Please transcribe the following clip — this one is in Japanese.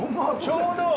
ちょうど。